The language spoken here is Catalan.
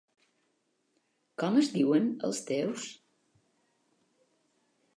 Com es diuen els teus??